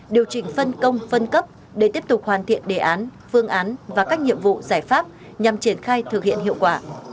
điều chỉnh phân công phân cấp để tiếp tục hoàn thiện đề án phương án và các nhiệm vụ giải pháp nhằm triển khai thực hiện hiệu quả